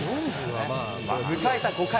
迎えた５回。